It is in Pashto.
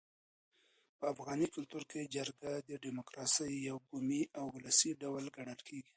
په افغاني کلتور کي جرګه د ډیموکراسۍ یو بومي او ولسي ډول ګڼل کيږي.